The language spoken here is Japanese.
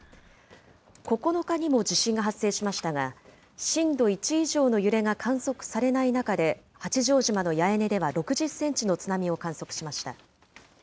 ９日にも地震が発生しましたが、震度１以上の揺れが観測されない中で、八丈島の八重根では６０センチの津波を観測しました。